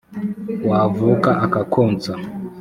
wavuka akakonsa,